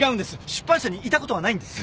出版社にいたことはないんです。